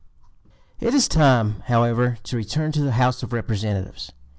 It is time, however, to return to the House of Representatives.